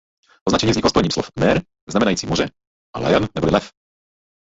Označení vzniklo spojením slov "mer" znamenající moře a "lion" neboli lev.